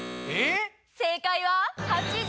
正解は。